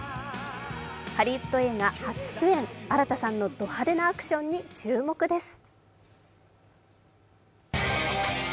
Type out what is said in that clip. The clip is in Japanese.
ハリウッド映画初主演、新田さんのド派手なアクションに注目です。